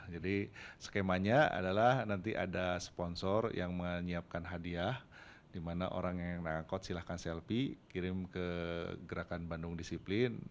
jadi skemanya adalah nanti ada sponsor yang menyiapkan hadiah di mana orang yang ngangkot silahkan selfie kirim ke gerakan bandung disiplin